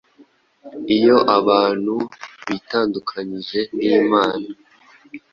Iyo abantu bitandukanije n’Imana,